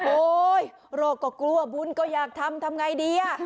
โอ๊ยโรคก็กลัวบุญก็อยากทำทำไงดี